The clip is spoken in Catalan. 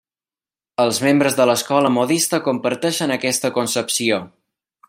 Els membres de l'escola modista comparteixen aquesta concepció.